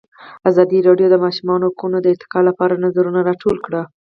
ازادي راډیو د د ماشومانو حقونه د ارتقا لپاره نظرونه راټول کړي.